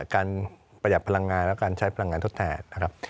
ประหยัดพลังงานและการใช้พลังงานทดแทนนะครับ